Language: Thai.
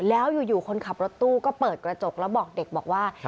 แล้วอยู่คนขับรถตู้ก็เปิดกระจกแล้วบอกเด็กบอกว่า